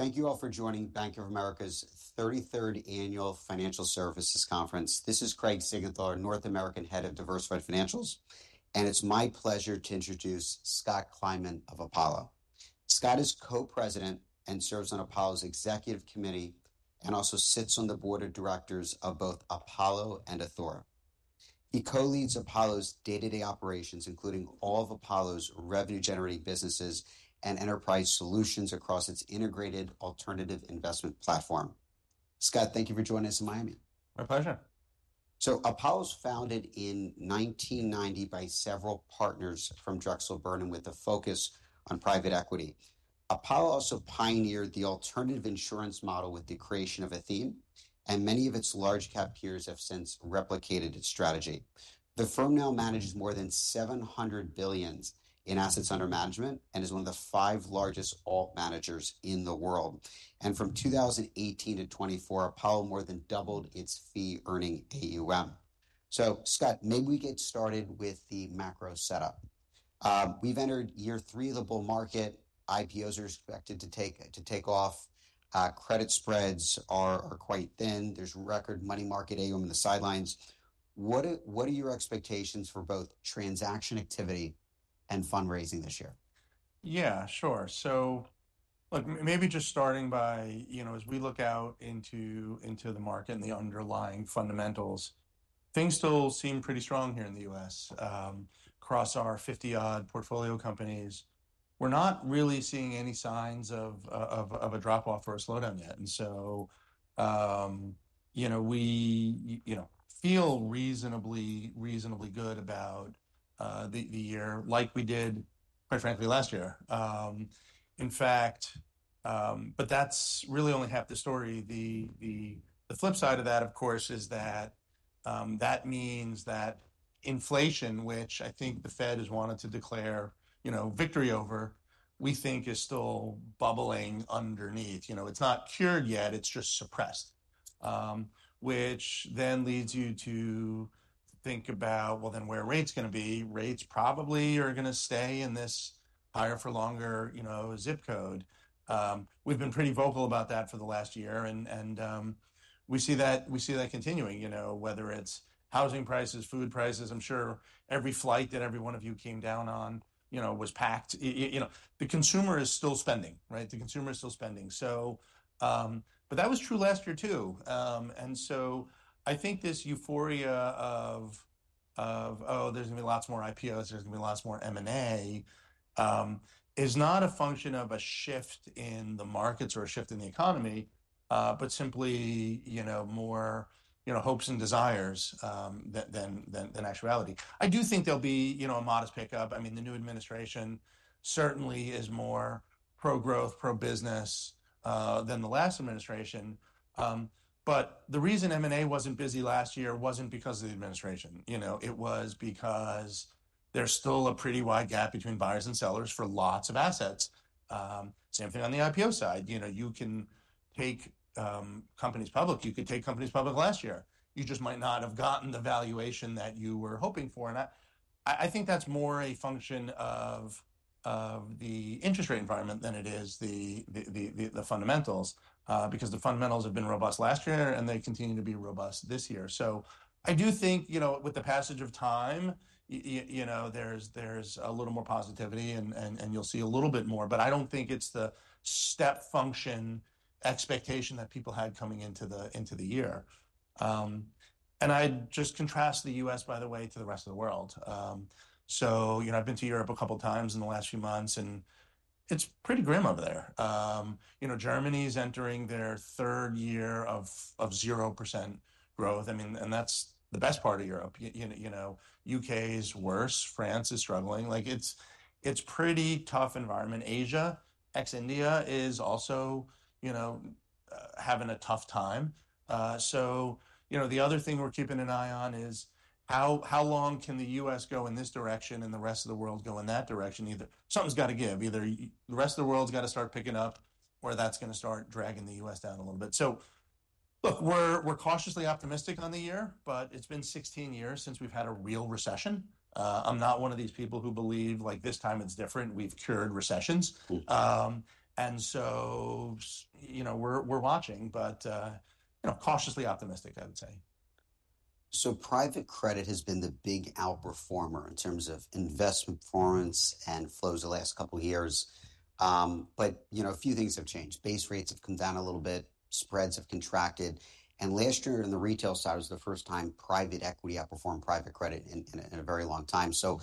Thank you all for joining Bank of America's 33rd Annual Financial Services Conference. This is Craig Siegenthaler, North American Head of Diversified Financials, and it's my pleasure to introduce Scott Kleinman of Apollo. Scott is Co-President and serves on Apollo's Executive Committee and also sits on the Board of Directors of both Apollo and Athora. He co-leads Apollo's day-to-day operations, including all of Apollo's revenue-generating businesses and enterprise solutions across its integrated alternative investment platform. Scott, thank you for joining us in Miami. My pleasure. Apollo was founded in 1990 by several partners from Drexel Burnham Lambert with a focus on private equity. Apollo also pioneered the alternative insurance model with the creation of Athene, and many of its large-cap peers have since replicated its strategy. The firm now manages more than $700 billion in assets under management and is one of the five largest alt managers in the world. And from 2018 to 2024, Apollo more than doubled its fee-earning AUM. So Scott, maybe we get started with the macro setup. We've entered year three of the bull market. IPOs are expected to take off. Credit spreads are quite thin. There's record money market AUM on the sidelines. What are your expectations for both transaction activity and fundraising this year? Yeah, sure. So look, maybe just starting by, you know, as we look out into the market and the underlying fundamentals, things still seem pretty strong here in the U.S. across our 50-odd portfolio companies. We're not really seeing any signs of a drop-off or a slowdown yet. And so, you know, we feel reasonably good about the year, like we did, quite frankly, last year. In fact, but that's really only half the story. The flip side of that, of course, is that that means that inflation, which I think the Fed has wanted to declare, you know, victory over, we think is still bubbling underneath. You know, it's not cured yet. It's just suppressed, which then leads you to think about, well, then where are rates going to be? Rates probably are going to stay in this higher-for-longer, you know, zip code. We've been pretty vocal about that for the last year, and we see that continuing, you know, whether it's housing prices, food prices. I'm sure every flight that every one of you came down on, you know, was packed. You know, the consumer is still spending, right? The consumer is still spending. So, but that was true last year too. And so I think this euphoria of, oh, there's going to be lots more IPOs, there's going to be lots more M&A is not a function of a shift in the markets or a shift in the economy, but simply, you know, more, you know, hopes and desires than actuality. I do think there'll be, you know, a modest pickup. I mean, the new administration certainly is more pro-growth, pro-business than the last administration. But the reason M&A wasn't busy last year wasn't because of the administration. You know, it was because there's still a pretty wide gap between buyers and sellers for lots of assets. Same thing on the IPO side. You know, you can take companies public. You could take companies public last year. You just might not have gotten the valuation that you were hoping for. And I think that's more a function of the interest rate environment than it is the fundamentals, because the fundamentals have been robust last year and they continue to be robust this year. So I do think, you know, with the passage of time, you know, there's a little more positivity and you'll see a little bit more, but I don't think it's the step function expectation that people had coming into the year, and I just contrast the U.S., by the way, to the rest of the world. So, you know, I've been to Europe a couple of times in the last few months, and it's pretty grim over there. You know, Germany is entering their third year of 0% growth. I mean, and that's the best part of Europe. You know, U.K. is worse. France is struggling. Like, it's a pretty tough environment. Asia, ex-India, is also, you know, having a tough time. So, you know, the other thing we're keeping an eye on is how long can the U.S. go in this direction and the rest of the world go in that direction? Either something's got to give. Either the rest of the world's got to start picking up or that's going to start dragging the U.S. down a little bit. So, look, we're cautiously optimistic on the year, but it's been 16 years since we've had a real recession. I'm not one of these people who believe, like, this time it's different. We've cured recessions. And so, you know, we're watching, but, you know, cautiously optimistic, I would say. So private credit has been the big outperformer in terms of investment performance and flows the last couple of years. But, you know, a few things have changed. Base rates have come down a little bit. Spreads have contracted. And last year on the retail side was the first time private equity outperformed private credit in a very long time. So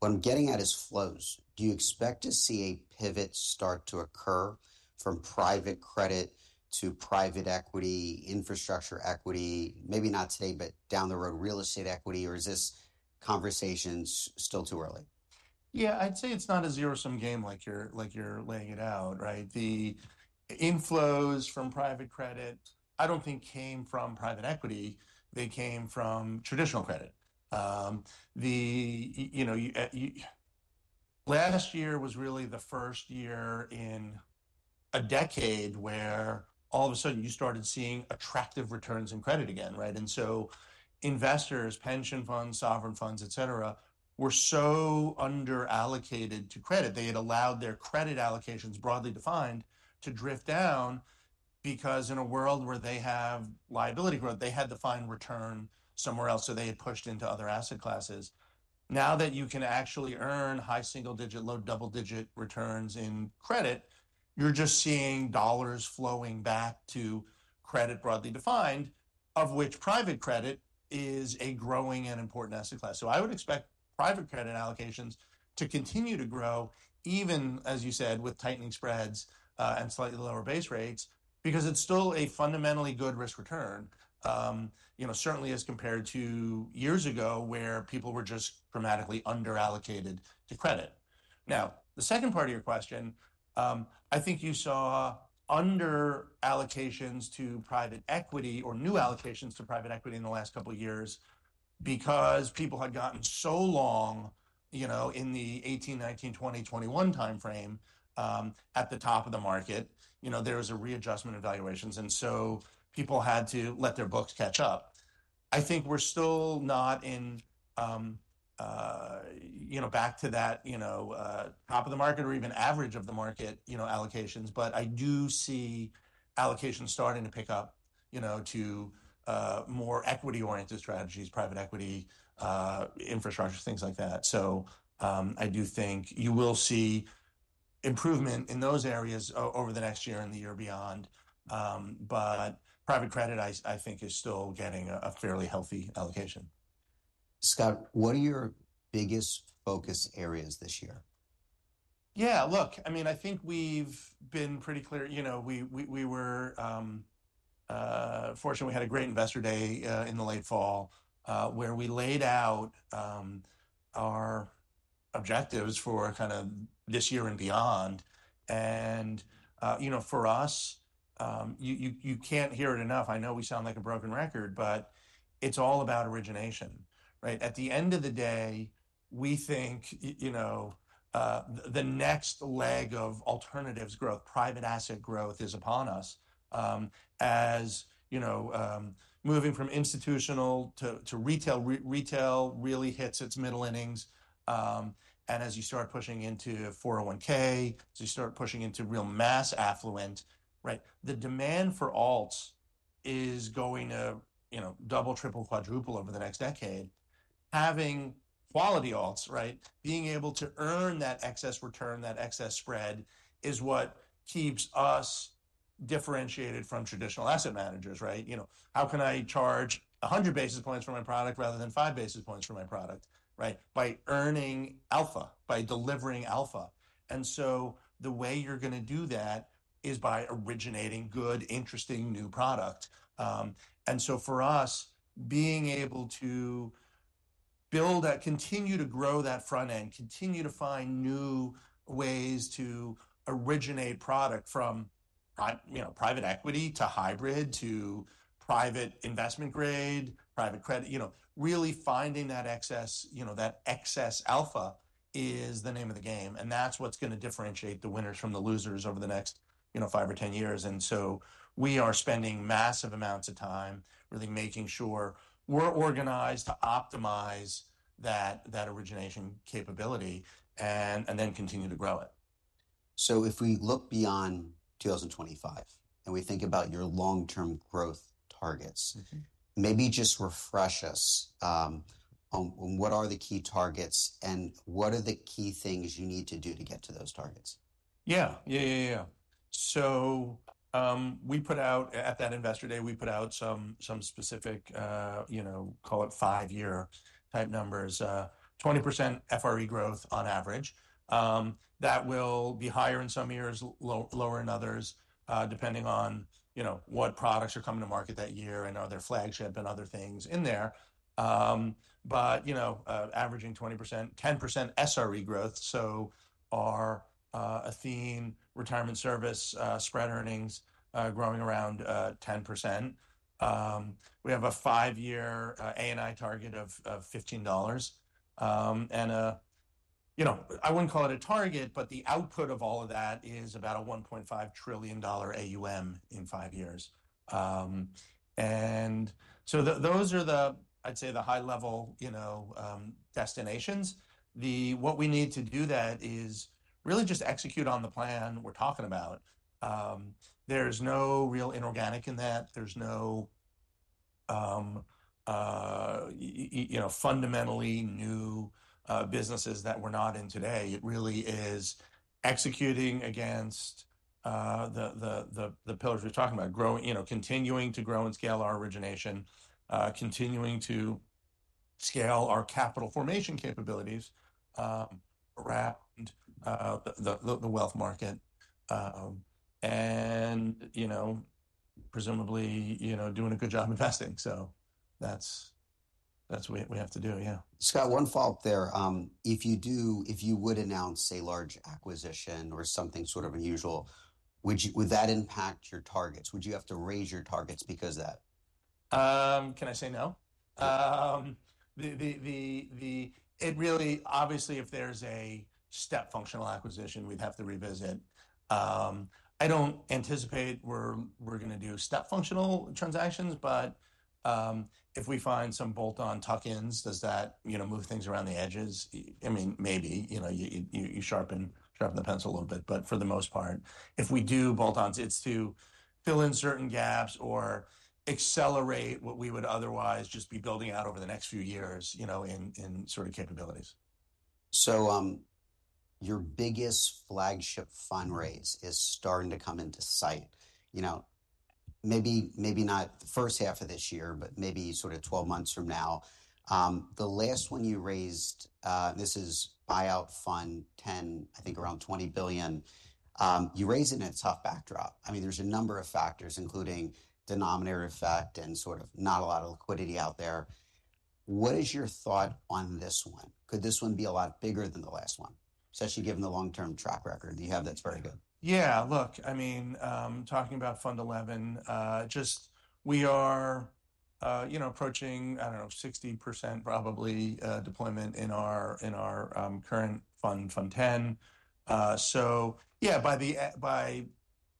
what I'm getting at is flows. Do you expect to see a pivot start to occur from private credit to private equity, infrastructure equity, maybe not today, but down the road, real estate equity, or is this conversation still too early? Yeah, I'd say it's not a zero-sum game like you're laying it out, right? The inflows from private credit, I don't think came from private equity. They came from traditional credit. The, you know, last year was really the first year in a decade where all of a sudden you started seeing attractive returns in credit again, right? And so investors, pension funds, sovereign funds, et cetera, were so underallocated to credit they had allowed their credit allocations, broadly defined, to drift down because in a world where they have liability growth, they had to find return somewhere else. So they had pushed into other asset classes. Now that you can actually earn high single-digit, low double-digit returns in credit, you're just seeing dollars flowing back to credit, broadly defined, of which private credit is a growing and important asset class. So I would expect private credit allocations to continue to grow, even, as you said, with tightening spreads and slightly lower base rates, because it's still a fundamentally good risk return, you know, certainly as compared to years ago where people were just dramatically underallocated to credit. Now, the second part of your question, I think you saw underallocations to private equity or new allocations to private equity in the last couple of years because people had gotten so long, you know, in the 2018, 2019, 2020, 2021 timeframe at the top of the market, you know, there was a readjustment of valuations. And so people had to let their books catch up. I think we're still not in, you know, back to that, you know, top of the market or even average of the market, you know, allocations. But I do see allocations starting to pick up, you know, to more equity-oriented strategies, private equity, infrastructure, things like that. So I do think you will see improvement in those areas over the next year and the year beyond. But private credit, I think, is still getting a fairly healthy allocation. Scott, what are your biggest focus areas this year? Yeah, look, I mean, I think we've been pretty clear. You know, we were fortunate. We had a great investor day in the late fall where we laid out our objectives for kind of this year and beyond. And, you know, for us, you can't hear it enough. I know we sound like a broken record, but it's all about origination, right? At the end of the day, we think, you know, the next leg of alternatives growth, private asset growth is upon us as, you know, moving from institutional to retail. Retail really hits its middle innings. And as you start pushing into 401(k), as you start pushing into real mass affluent, right, the demand for alts is going to, you know, double, triple, quadruple over the next decade. Having quality alts, right, being able to earn that excess return, that excess spread is what keeps us differentiated from traditional asset managers, right? You know, how can I charge 100 basis points for my product rather than five basis points for my product, right, by earning alpha, by delivering alpha? And so the way you're going to do that is by originating good, interesting new product. And so for us, being able to build that, continue to grow that front end, continue to find new ways to originate product from, you know, private equity to hybrid to private investment grade, private credit, you know, really finding that excess, you know, that excess alpha is the name of the game. And that's what's going to differentiate the winners from the losers over the next, you know, five or ten years. And so we are spending massive amounts of time really making sure we're organized to optimize that origination capability and then continue to grow it. If we look beyond 2025 and we think about your long-term growth targets, maybe just refresh us on what are the key targets and what are the key things you need to do to get to those targets? Yeah, yeah, yeah, yeah. So we put out at that investor day, we put out some specific, you know, call it five-year type numbers, 20% FRE growth on average. That will be higher in some years, lower in others, depending on, you know, what products are coming to market that year and their flagship and other things in there. But, you know, averaging 20%, 10% SRE growth. So our Athene retirement service spread earnings growing around 10%. We have a five-year ANI target of $15. And, you know, I wouldn't call it a target, but the output of all of that is about a $1.5 trillion AUM in five years. And so those are the, I'd say, the high-level, you know, destinations. What we need to do that is really just execute on the plan we're talking about. There's no real inorganic in that. There's no, you know, fundamentally new businesses that we're not in today. It really is executing against the pillars we're talking about, growing, you know, continuing to grow and scale our origination, continuing to scale our capital formation capabilities around the wealth market and, you know, presumably, you know, doing a good job investing. So that's what we have to do, yeah. Scott, one follow-up there. If you would announce a large acquisition or something sort of unusual, would that impact your targets? Would you have to raise your targets because of that? Can I say no? It really, obviously, if there's a step functional acquisition, we'd have to revisit. I don't anticipate we're going to do step functional transactions, but if we find some bolt-on tuck-ins, does that, you know, move things around the edges? I mean, maybe, you know, you sharpen the pencil a little bit, but for the most part, if we do bolt-ons, it's to fill in certain gaps or accelerate what we would otherwise just be building out over the next few years, you know, in sort of capabilities. So your biggest flagship fundraise is starting to come into sight. You know, maybe not the first half of this year, but maybe sort of 12 months from now. The last one you raised, this is buyout Fund 10, I think around $20 billion. You raise it in a tough backdrop. I mean, there's a number of factors, including denominator effect and sort of not a lot of liquidity out there. What is your thought on this one? Could this one be a lot bigger than the last one? Especially given the long-term track record that you have, that's very good. Yeah, look, I mean, talking about Fund 11, just we are, you know, approaching, I don't know, 60% probably deployment in our current fund, Fund 10. So yeah, by the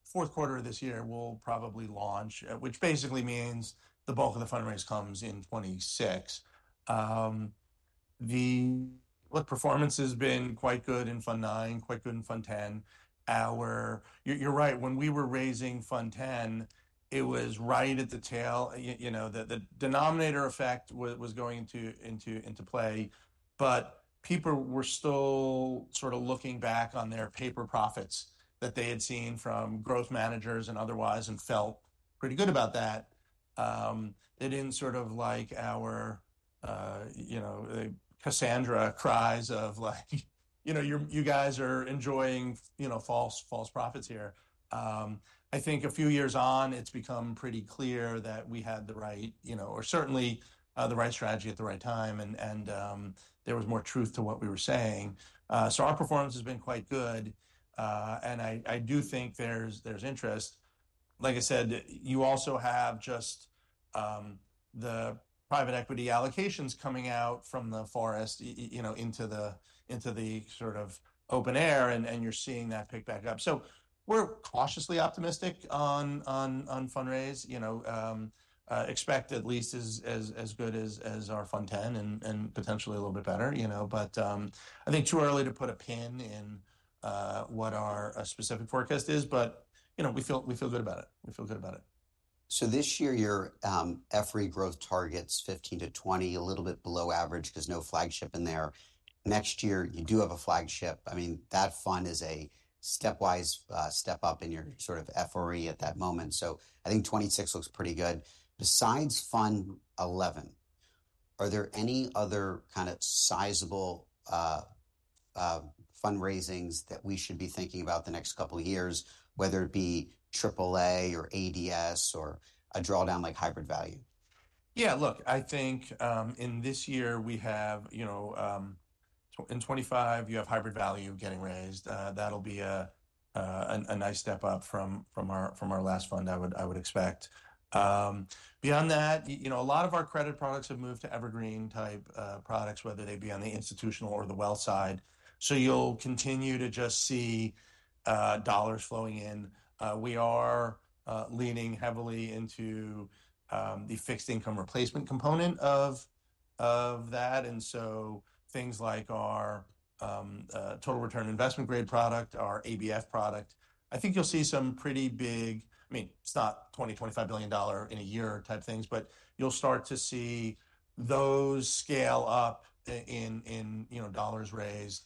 fourth quarter of this year, we'll probably launch, which basically means the bulk of the fundraise comes in 2026. The performance has been quite good in Fund 9, quite good in Fund 10. You're right. When we were raising Fund 10, it was right at the tail. You know, the denominator effect was going into play, but people were still sort of looking back on their paper profits that they had seen from growth managers and otherwise and felt pretty good about that. They didn't sort of like our, you know, Cassandra cries of like, you know, you guys are enjoying, you know, false profits here. I think a few years on, it's become pretty clear that we had the right, you know, or certainly the right strategy at the right time, and there was more truth to what we were saying. So our performance has been quite good. And I do think there's interest. Like I said, you also have just the private equity allocations coming out from the forest, you know, into the sort of open air, and you're seeing that pick back up. So we're cautiously optimistic on fundraise, you know, expect at least as good as our Fund 10 and potentially a little bit better, you know. But I think too early to put a pin in what our specific forecast is, but, you know, we feel good about it. We feel good about it. So this year, your FRE growth target's 15%-20%, a little bit below average because no flagship in there. Next year, you do have a flagship. I mean, that fund is a stepwise step up in your sort of FRE at that moment. So I think 2026 looks pretty good. Besides Fund 11, are there any other kind of sizable fundraisings that we should be thinking about the next couple of years, whether it be AAA or ADS or a drawdown like Hybrid Value? Yeah, look, I think in this year we have, you know, in 2025, you have Hybrid Value getting raised. That'll be a nice step up from our last fund, I would expect. Beyond that, you know, a lot of our credit products have moved to Evergreen-type products, whether they be on the institutional or the wealth side. So you'll continue to just see dollars flowing in. We are leaning heavily into the fixed income replacement component of that. And so things like our Total Return Investment Grade product, our ABF product, I think you'll see some pretty big, I mean, it's not $20-$25 billion in a year type things, but you'll start to see those scale up in, you know, dollars raised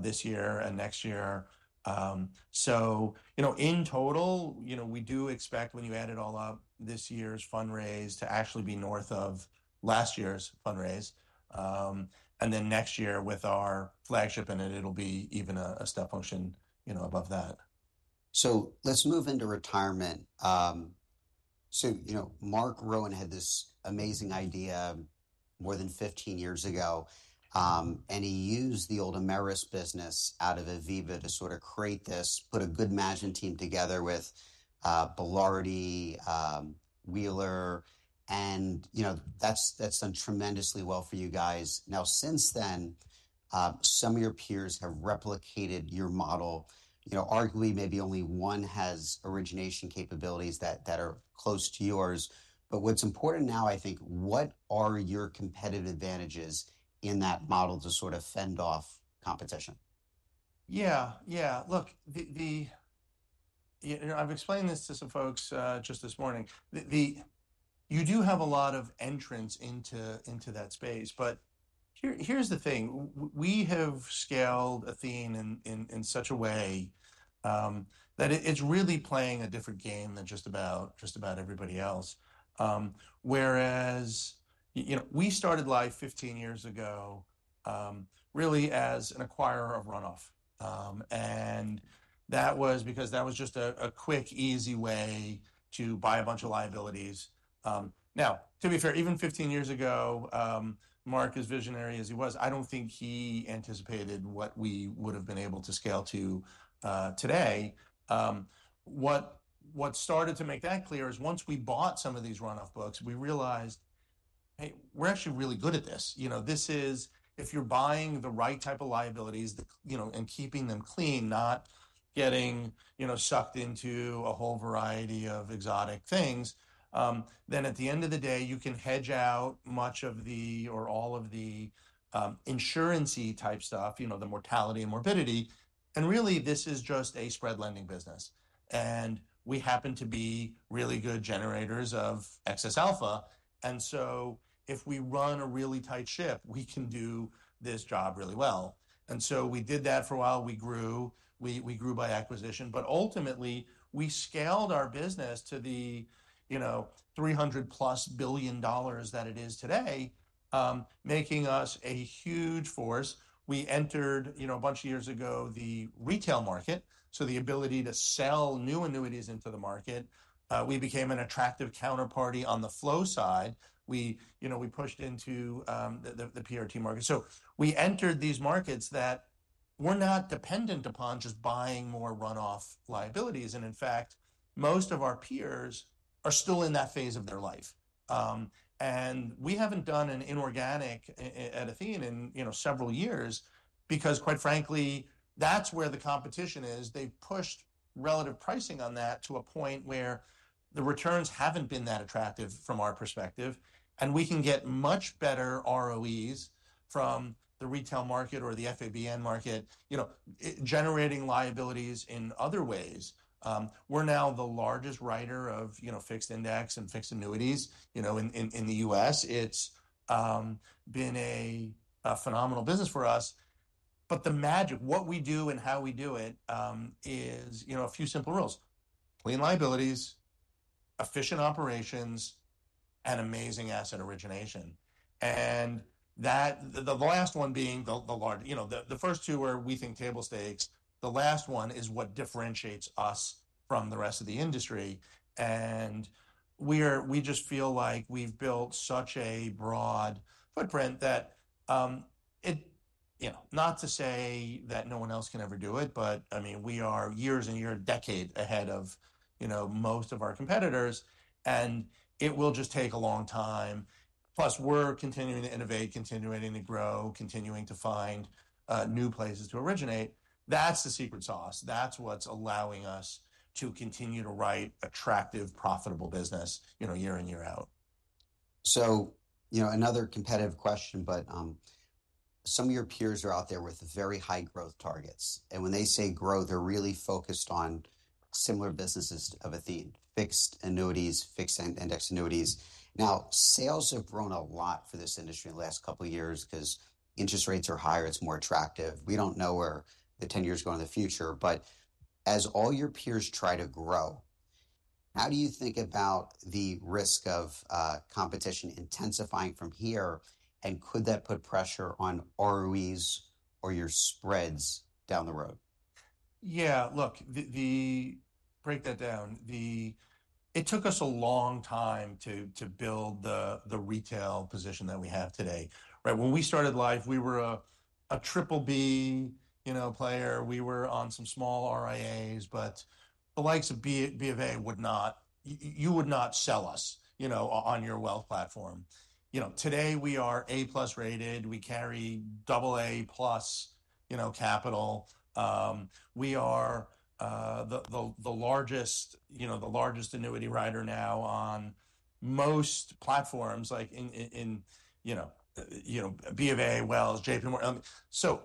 this year and next year. So, you know, in total, you know, we do expect when you add it all up, this year's fundraise to actually be north of last year's fundraise. And then next year with our flagship in it, it'll be even a step function, you know, above that. So let's move into retirement. You know, Mark Rowan had this amazing idea more than 15 years ago, and he used the old AmerUs business out of Aviva to sort of create this, put a good matching team together with Belardi Wheeler, and, you know, that's done tremendously well for you guys. Now, since then, some of your peers have replicated your model. You know, arguably maybe only one has origination capabilities that are close to yours. But what's important now, I think, what are your competitive advantages in that model to sort of fend off competition? Yeah, yeah. Look, I've explained this to some folks just this morning. You do have a lot of entrances into that space, but here's the thing. We have scaled Athene in such a way that it's really playing a different game than just about everybody else. Whereas, you know, we started life 15 years ago really as an acquirer of runoff. And that was because that was just a quick, easy way to buy a bunch of liabilities. Now, to be fair, even 15 years ago, Mark is visionary as he was. I don't think he anticipated what we would have been able to scale to today. What started to make that clear is once we bought some of these runoff books, we realized, hey, we're actually really good at this. You know, this is, if you're buying the right type of liabilities, you know, and keeping them clean, not getting, you know, sucked into a whole variety of exotic things, then at the end of the day, you can hedge out much of the or all of the insurance-y type stuff, you know, the mortality and morbidity. And really, this is just a spread lending business. And we happen to be really good generators of excess alpha. And so if we run a really tight ship, we can do this job really well. And so we did that for a while. We grew. We grew by acquisition. But ultimately, we scaled our business to the, you know, $300-plus billion that it is today, making us a huge force. We entered, you know, a bunch of years ago the retail market. So the ability to sell new annuities into the market, we became an attractive counterparty on the flow side. We, you know, we pushed into the PRT market. So we entered these markets that we're not dependent upon just buying more runoff liabilities. And in fact, most of our peers are still in that phase of their life. And we haven't done an inorganic at Athene in, you know, several years because, quite frankly, that's where the competition is. They've pushed relative pricing on that to a point where the returns haven't been that attractive from our perspective. And we can get much better ROEs from the retail market or the FABN market, you know, generating liabilities in other ways. We're now the largest writer of, you know, fixed index and fixed annuities, you know, in the U.S. It's been a phenomenal business for us. But the magic, what we do and how we do it is, you know, a few simple rules: clean liabilities, efficient operations, and amazing asset origination. And that the last one being the large, you know, the first two are we think table stakes. The last one is what differentiates us from the rest of the industry. And we just feel like we've built such a broad footprint that it, you know, not to say that no one else can ever do it, but I mean, we are years and years, decades ahead of, you know, most of our competitors. And it will just take a long time. Plus, we're continuing to innovate, continuing to grow, continuing to find new places to originate. That's the secret sauce. That's what's allowing us to continue to write attractive, profitable business, you know, year in, year out. So, you know, another competitive question, but some of your peers are out there with very high growth targets. And when they say grow, they're really focused on similar businesses of Athene, fixed annuities, fixed index annuities. Now, sales have grown a lot for this industry in the last couple of years because interest rates are higher. It's more attractive. We don't know where the 10 years go in the future. But as all your peers try to grow, how do you think about the risk of competition intensifying from here? And could that put pressure on ROEs or your spreads down the road? Yeah, look, break that down. It took us a long time to build the retail position that we have today. Right? When we started life, we were a triple B, you know, player. We were on some small RIAs, but the likes of B of A would not, you would not sell us, you know, on your wealth platform. You know, today we are A plus rated. We carry AA plus, you know, capital. We are the largest, you know, the largest annuity writer now on most platforms like, you know, B of A, Wells, JP Morgan. So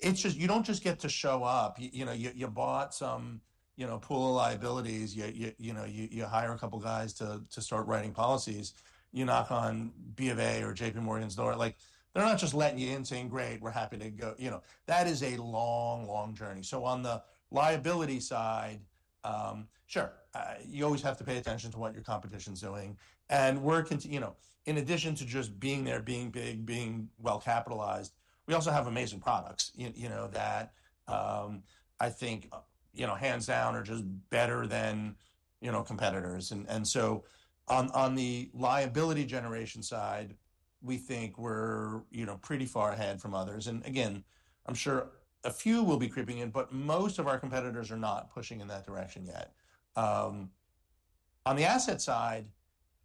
it's just, you don't just get to show up. You know, you bought some, you know, pool of liabilities. You know, you hire a couple of guys to start writing policies. You knock on B of A or JP Morgan's door. Like, they're not just letting you in saying, "Great, we're happy to go." You know, that is a long, long journey. So on the liability side, sure, you always have to pay attention to what your competition is doing. And we're, you know, in addition to just being there, being big, being well capitalized, we also have amazing products, you know, that I think, you know, hands down are just better than, you know, competitors. And so on the liability generation side, we think we're, you know, pretty far ahead from others. And again, I'm sure a few will be creeping in, but most of our competitors are not pushing in that direction yet. On the asset side,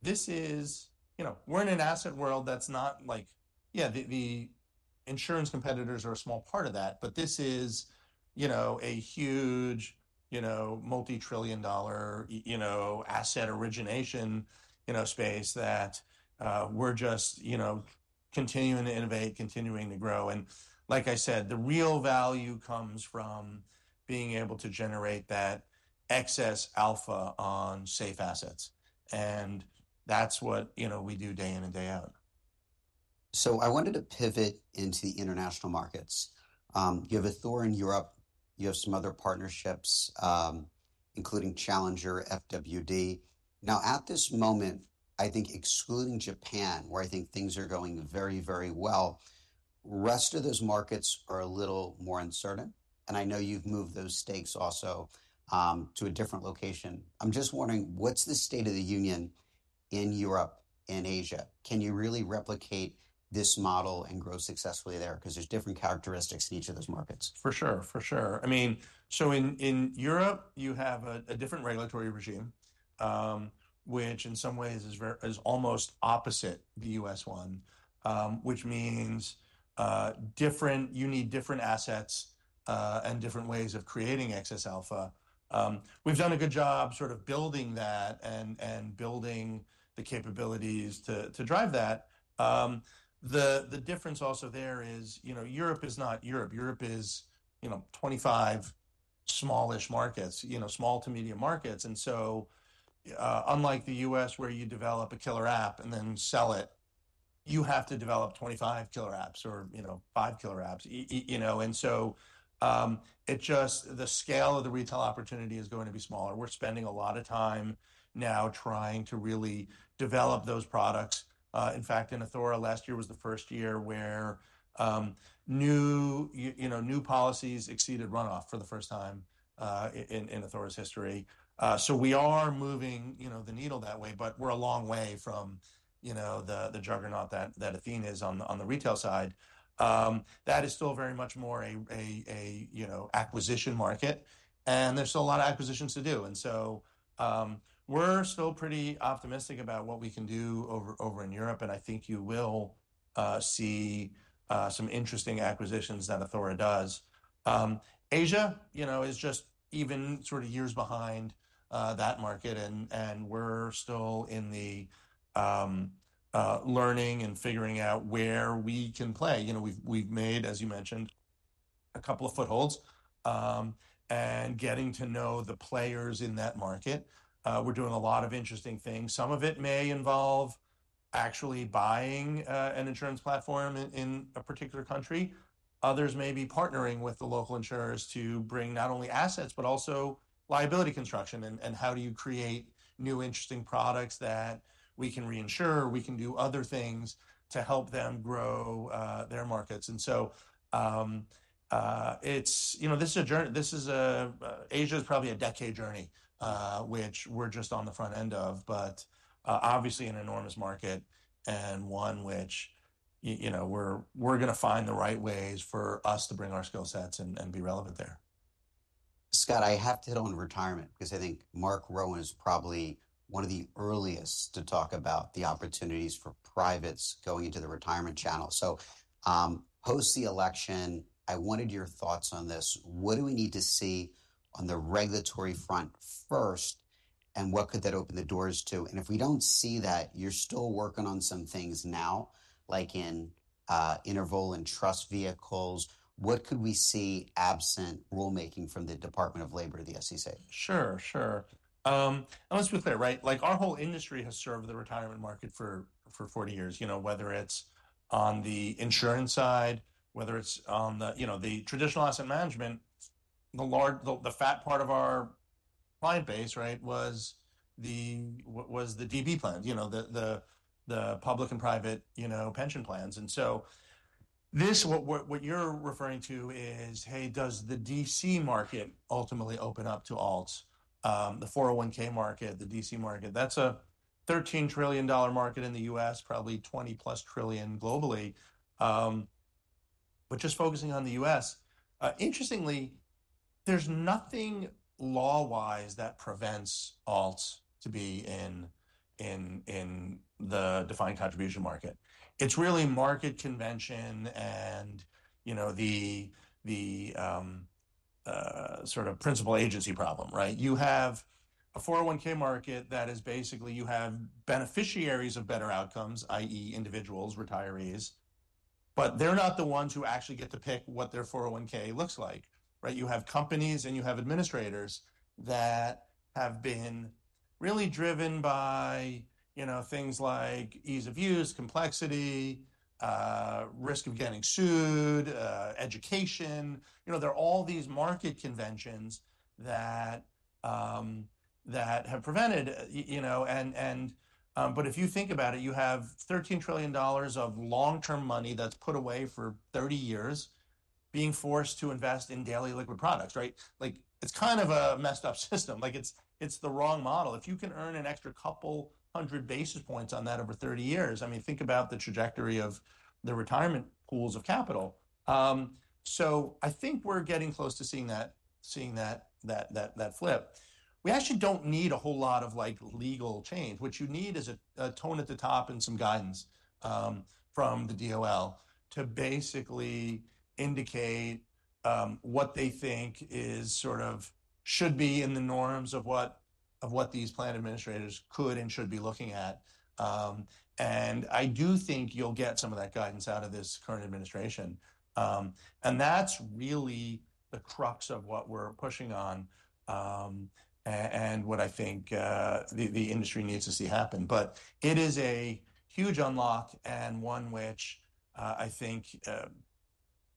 this is, you know, we're in an asset world that's not like, yeah, the insurance competitors are a small part of that, but this is, you know, a huge, you know, multi-trillion-dollar, you know, asset origination, you know, space that we're just, you know, continuing to innovate, continuing to grow. And like I said, the real value comes from being able to generate that excess alpha on safe assets. And that's what, you know, we do day in and day out. So I wanted to pivot into the international markets. You have Athora in Europe. You have some other partnerships, including Challenger, FWD. Now, at this moment, I think excluding Japan, where I think things are going very, very well, the rest of those markets are a little more uncertain. And I know you've moved those stakes also to a different location. I'm just wondering, what's the state of the union in Europe and Asia? Can you really replicate this model and grow successfully there? Because there's different characteristics in each of those markets. For sure. For sure. I mean, so in Europe, you have a different regulatory regime, which in some ways is almost opposite the U.S. one, which means you need different assets and different ways of creating excess alpha. We've done a good job sort of building that and building the capabilities to drive that. The difference also there is, you know, Europe is not Europe. Europe is, you know, 25 smallish markets, you know, small to medium markets. And so unlike the U.S., where you develop a killer app and then sell it, you have to develop 25 killer apps or, you know, five killer apps, you know. And so it just, the scale of the retail opportunity is going to be smaller. We're spending a lot of time now trying to really develop those products. In fact, in Athora, last year was the first year where new, you know, new policies exceeded runoff for the first time in Athora's history. So we are moving, you know, the needle that way, but we're a long way from, you know, the juggernaut that Athene is on the retail side. That is still very much more a, you know, acquisition market. And there's still a lot of acquisitions to do. And so we're still pretty optimistic about what we can do over in Europe. And I think you will see some interesting acquisitions that Athora does. Asia, you know, is just even sort of years behind that market. And we're still in the learning and figuring out where we can play. You know, we've made, as you mentioned, a couple of footholds and getting to know the players in that market. We're doing a lot of interesting things. Some of it may involve actually buying an insurance platform in a particular country. Others may be partnering with the local insurers to bring not only assets, but also liability construction and how do you create new interesting products that we can reinsure or we can do other things to help them grow their markets. And so it's, you know, this is a journey. Asia is probably a decade journey, which we're just on the front end of, but obviously an enormous market and one which, you know, we're going to find the right ways for us to bring our skill sets and be relevant there. Scott, I have to hit on retirement because I think Mark Rowan is probably one of the earliest to talk about the opportunities for privates going into the retirement channel. So post the election, I wanted your thoughts on this. What do we need to see on the regulatory front first, and what could that open the doors to? And if we don't see that, you're still working on some things now, like in interval and trust vehicles. What could we see absent rulemaking from the Department of Labor to the SEC? Sure, sure. And let's be clear, right? Like our whole industry has served the retirement market for 40 years, you know, whether it's on the insurance side, whether it's on the, you know, the traditional asset management, the fat part of our client base, right, was the DB plans, you know, the public and private, you know, pension plans. And so this, what you're referring to is, hey, does the DC market ultimately open up to alts, the 401(k) market, the DC market? That's a $13 trillion market in the U.S., probably $20 plus trillion globally. But just focusing on the U.S., interestingly, there's nothing law-wise that prevents alts to be in the defined contribution market. It's really market convention and, you know, the sort of principal-agent problem, right? You have a 401(k) market that is basically you have beneficiaries of better outcomes, i.e., individuals, retirees, but they're not the ones who actually get to pick what their 401(k) looks like, right? You have companies and you have administrators that have been really driven by, you know, things like ease of use, complexity, risk of getting sued, education. You know, there are all these market conventions that have prevented, you know, and but if you think about it, you have $13 trillion of long-term money that's put away for 30 years being forced to invest in daily liquid products, right? Like it's kind of a messed up system. Like it's the wrong model. If you can earn an extra couple hundred basis points on that over 30 years, I mean, think about the trajectory of the retirement pools of capital. So I think we're getting close to seeing that flip. We actually don't need a whole lot of like legal change. What you need is a tone at the top and some guidance from the DOL to basically indicate what they think is sort of should be in the norms of what these plan administrators could and should be looking at. And I do think you'll get some of that guidance out of this current administration. And that's really the crux of what we're pushing on and what I think the industry needs to see happen. But it is a huge unlock and one which I think,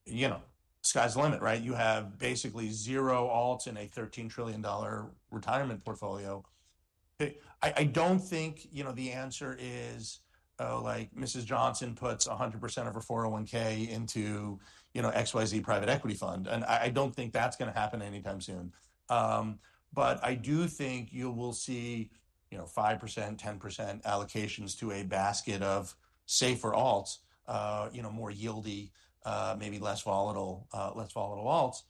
you know, sky's the limit, right? You have basically zero alts in a $13 trillion retirement portfolio. I don't think, you know, the answer is, oh, like Mrs. Johnson puts 100% of her 401(k) into, you know, XYZ private equity fund. And I don't think that's going to happen anytime soon. But I do think you will see, you know, 5%, 10% allocations to a basket of safer alts, you know, more yieldy, maybe less volatile alts.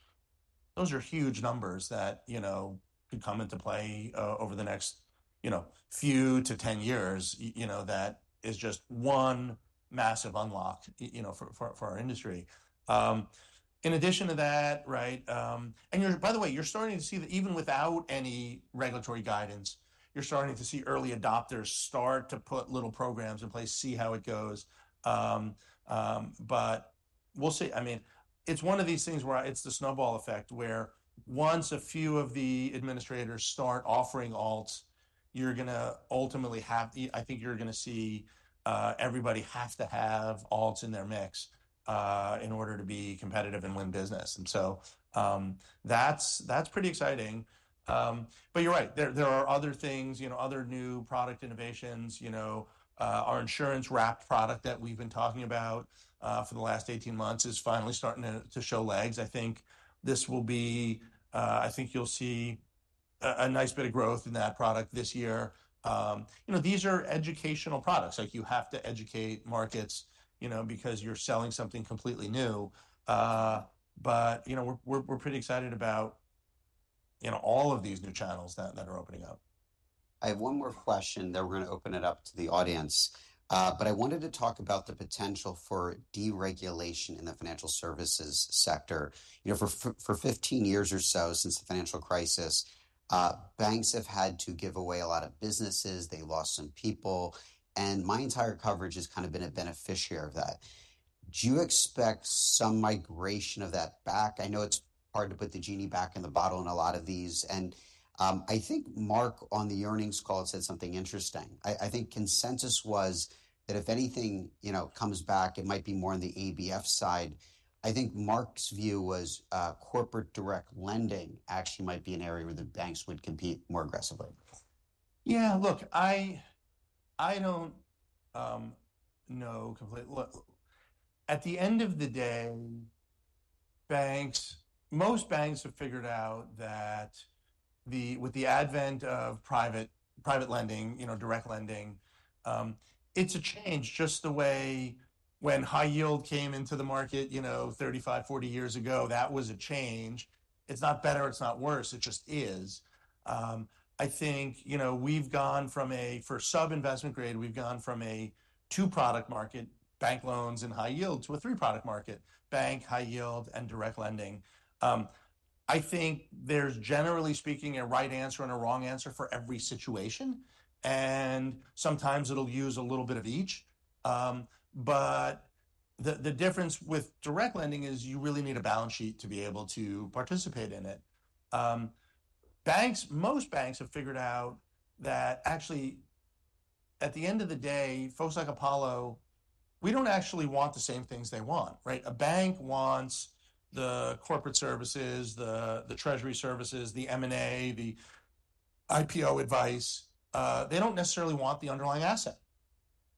Those are huge numbers that, you know, could come into play over the next, you know, few to 10 years, you know, that is just one massive unlock, you know, for our industry. In addition to that, right? And by the way, you're starting to see that even without any regulatory guidance, you're starting to see early adopters start to put little programs in place, see how it goes. But we'll see. I mean, it's one of these things where it's the snowball effect where once a few of the administrators start offering alts, you're going to ultimately have, I think you're going to see everybody have to have alts in their mix in order to be competitive and win business. And so that's pretty exciting. But you're right. There are other things, you know, other new product innovations, you know, our insurance wrapped product that we've been talking about for the last 18 months is finally starting to show legs. I think this will be, I think you'll see a nice bit of growth in that product this year. You know, these are educational products. Like you have to educate markets, you know, because you're selling something completely new. But, you know, we're pretty excited about, you know, all of these new channels that are opening up. I have one more question that we're going to open it up to the audience. But I wanted to talk about the potential for deregulation in the financial services sector. You know, for 15 years or so since the financial crisis, banks have had to give away a lot of businesses. They lost some people. And my entire coverage has kind of been a beneficiary of that. Do you expect some migration of that back? I know it's hard to put the genie back in the bottle in a lot of these. And I think Mark on the earnings call said something interesting. I think consensus was that if anything, you know, comes back, it might be more on the ABF side. I think Mark's view was corporate direct lending actually might be an area where the banks would compete more aggressively. Yeah, look, I don't know completely. Look, at the end of the day, banks, most banks have figured out that with the advent of private lending, you know, direct lending, it's a change just the way when high yield came into the market, you know, 35-40 years ago, that was a change. It's not better, it's not worse. It just is. I think, you know, we've gone from a, for sub-investment grade, we've gone from a two-product market, bank loans and high yield to a three-product market, bank, high yield, and direct lending. I think there's generally speaking a right answer and a wrong answer for every situation. Sometimes it'll use a little bit of each. The difference with direct lending is you really need a balance sheet to be able to participate in it. Banks, most banks have figured out that actually at the end of the day, folks like Apollo, we don't actually want the same things they want, right? A bank wants the corporate services, the treasury services, the M&A, the IPO advice. They don't necessarily want the underlying asset.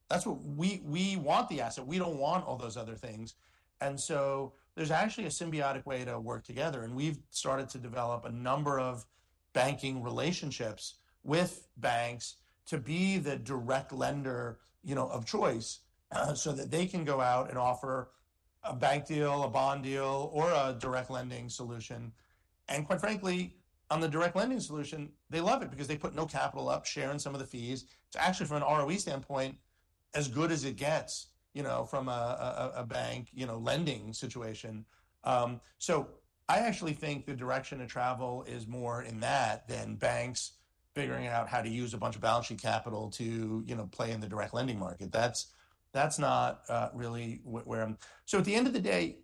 That's what we want, the asset. We don't want all those other things. And so there's actually a symbiotic way to work together. And we've started to develop a number of banking relationships with banks to be the direct lender, you know, of choice so that they can go out and offer a bank deal, a bond deal, or a direct lending solution. And quite frankly, on the direct lending solution, they love it because they put no capital up, sharing some of the fees. It's actually from an ROE standpoint as good as it gets, you know, from a bank, you know, lending situation. So I actually think the direction to travel is more in that than banks figuring out how to use a bunch of balance sheet capital to, you know, play in the direct lending market. That's not really where I'm. So at the end of the day,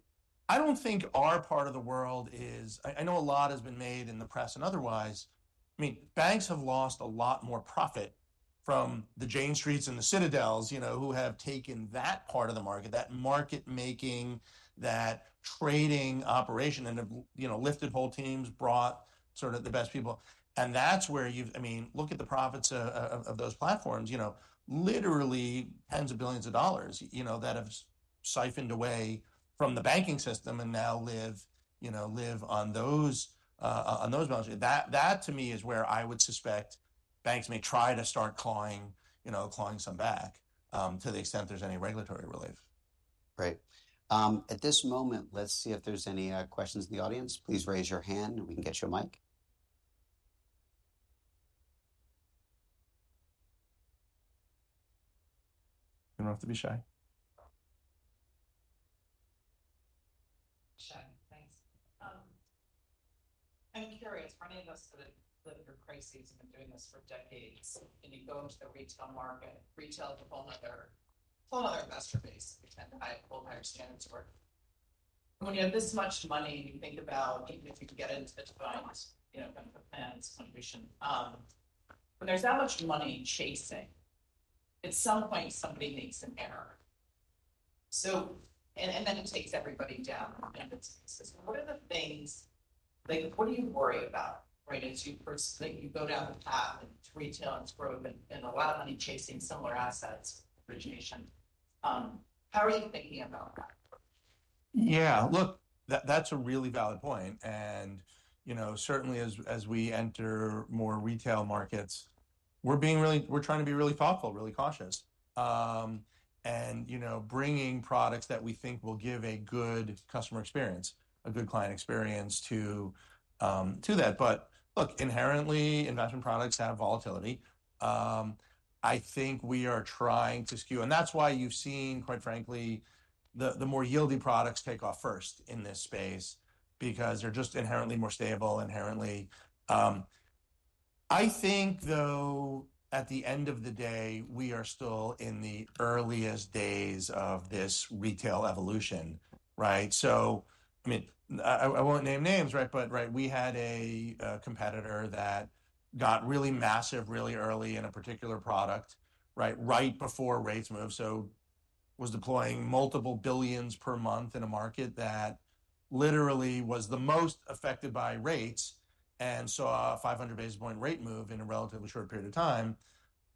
I don't think our part of the world is. I know a lot has been made in the press and otherwise. I mean, banks have lost a lot more profit from the Jane Street and the Citadel, you know, who have taken that part of the market, that market making, that trading operation and have, you know, lifted whole teams, brought sort of the best people. And that's where you've, I mean, look at the profits of those platforms, you know, literally tens of billions of dollars, you know, that have siphoned away from the banking system and now live, you know, on those balance sheets. That to me is where I would suspect banks may try to start clawing, you know, some back to the extent there's any regulatory relief. Great. At this moment, let's see if there's any questions in the audience. Please raise your hand and we can get you a mic. You don't have to be shy. Hi, thanks. I'm curious, for any of us that have lived through crises and been doing this for decades, and you go into the retail market, retail to a whole other investor base, you tend to have a whole higher standard to work, and when you have this much money and you think about, even if you can get into the defined, you know, kind of the plans, contribution, when there's that much money chasing, at some point somebody makes an error, so and then it takes everybody down, and what are the things, like, what do you worry about, right? As you go down the path and to retail and to growth and a lot of money chasing similar assets, origination, how are you thinking about that? Yeah, look, that's a really valid point, and you know, certainly as we enter more retail markets, we're being really, we're trying to be really thoughtful, really cautious, and you know, bringing products that we think will give a good customer experience, a good client experience to that, but look, inherently investment products have volatility. I think we are trying to skew, and that's why you've seen, quite frankly, the more yieldy products take off first in this space because they're just inherently more stable, inherently. I think though, at the end of the day, we are still in the earliest days of this retail evolution, right, so I mean, I won't name names, right, but right, we had a competitor that got really massive, really early in a particular product, right? Right before rates moved. So was deploying multiple $ billions per month in a market that literally was the most affected by rates and saw a 500 basis points rate move in a relatively short period of time.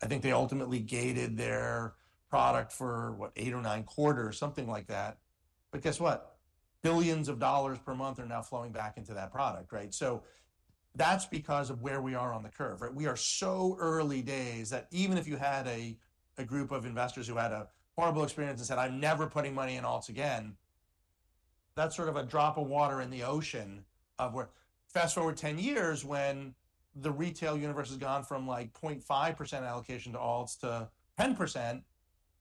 I think they ultimately gated their product for what, eight or nine quarters, something like that. But guess what? $ Billions per month are now flowing back into that product, right? So that's because of where we are on the curve, right? We are so early days that even if you had a group of investors who had a horrible experience and said, "I'm never putting money in alts again," that's sort of a drop of water in the ocean of where fast forward 10 years when the retail universe has gone from like 0.5%-10% allocation to alts,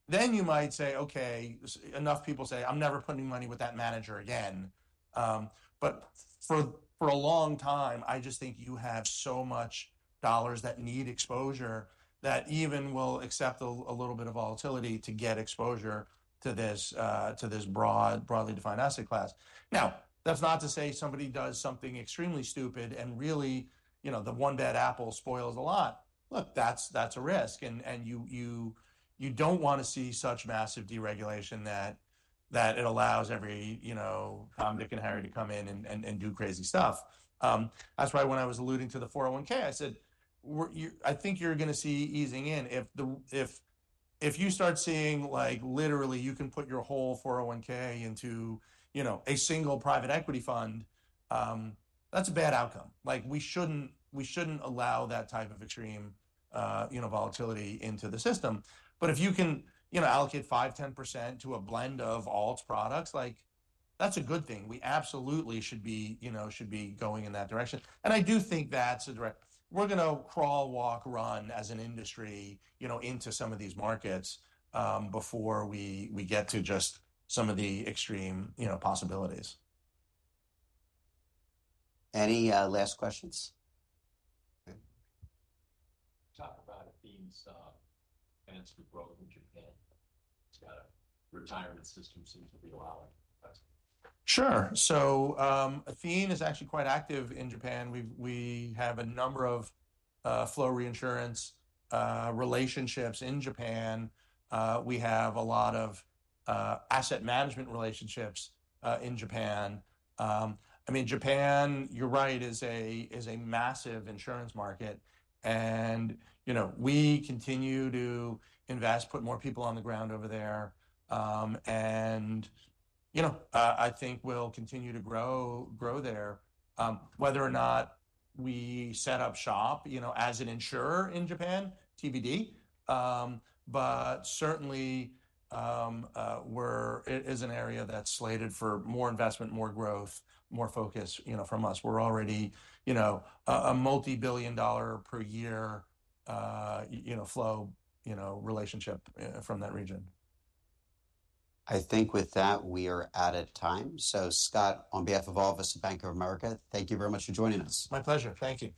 then you might say, "Okay, enough people say, 'I'm never putting money with that manager again.'" But for a long time, I just think you have so much dollars that need exposure that even will accept a little bit of volatility to get exposure to this broadly defined asset class. Now, that's not to say somebody does something extremely stupid and really, you know, the one bad apple spoils a lot. Look, that's a risk. You don't want to see such massive deregulation that it allows every, you know, Tom, Dick, and Harry to come in and do crazy stuff. That's why when I was alluding to the 401(k), I said, "I think you're going to see easing in. If you start seeing like literally you can put your whole 401(k) into, you know, a single private equity fund, that's a bad outcome." Like we shouldn't allow that type of extreme, you know, volatility into the system. But if you can, you know, allocate five, 10% to a blend of alts products, like that's a good thing. We absolutely should be, you know, should be going in that direction. And I do think that's the direction. We're going to crawl, walk, run as an industry, you know, into some of these markets before we get to just some of the extreme, you know, possibilities. Any last questions? Talk about Athene's financial growth in Japan. It's got a retirement system seem to be allowing. Sure, so Athene is actually quite active in Japan. We have a number of flow reinsurance relationships in Japan. We have a lot of asset management relationships in Japan. I mean, Japan, you're right, is a massive insurance market. You know, we continue to invest, put more people on the ground over there. You know, I think we'll continue to grow there, whether or not we set up shop, you know, as an insurer in Japan, TBD. But certainly it is an area that's slated for more investment, more growth, more focus, you know, from us. We're already, you know, a multi-billion dollar per year, you know, flow, you know, relationship from that region. I think with that, we are out of time. So Scott, on behalf of all of us at Bank of America, thank you very much for joining us. My pleasure. Thank you.